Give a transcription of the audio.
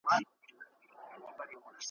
د بوډا پر اوږو غبرګي د لمسیو جنازې دي ,